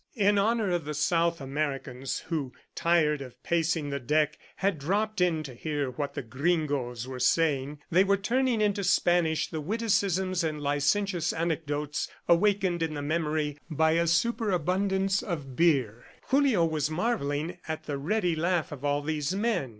In honor of the South Americans who, tired of pacing the deck, had dropped in to hear what the gringoes were saying, they were turning into Spanish the witticisms and licentious anecdotes awakened in the memory by a superabundance of beer. Julio was marvelling at the ready laugh of all these men.